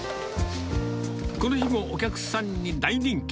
この日もお客さんに大人気。